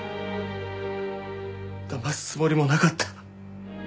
だますつもりもなかった。